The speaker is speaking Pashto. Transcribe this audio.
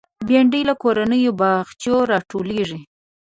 بېنډۍ له کورنیو باغچو راټولېږي